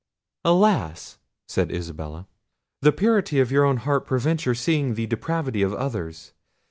"Alas!" said Isabella, "the purity of your own heart prevents your seeing the depravity of others.